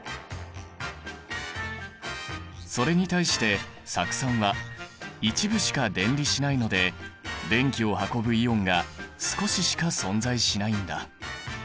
それに対して酢酸は一部しか電離しないので電気を運ぶイオンが少ししか存在しないんだ。